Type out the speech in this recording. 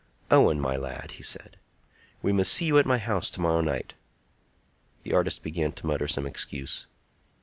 "Owen, my lad," said he, "we must see you at my house to morrow night." The artist began to mutter some excuse.